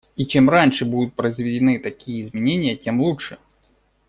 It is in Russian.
И чем раньше будут произведены такие изменения, тем лучше.